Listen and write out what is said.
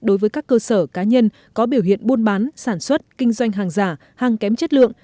đối với các cơ sở cá nhân có biểu hiện buôn bán sản xuất kinh doanh hàng giả hàng kém chất lượng